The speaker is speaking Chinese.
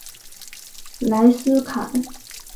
莱斯坎。